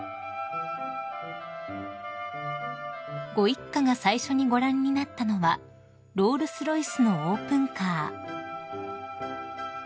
［ご一家が最初にご覧になったのはロールス・ロイスのオープンカー］